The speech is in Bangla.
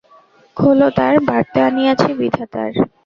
খোলো দ্বার, বার্তা আনিয়াছি বিধাতার।